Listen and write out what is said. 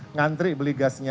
ngantri beli gasnya